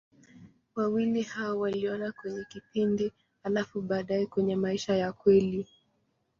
Wawili hao waliona kwenye kipindi, halafu baadaye kwenye maisha ya kweli.